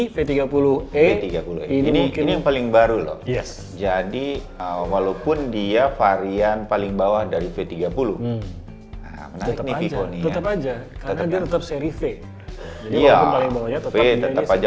v tiga puluh e ini yang paling baru loh jadi walaupun dia varian paling bawah dari v tiga puluh tetap aja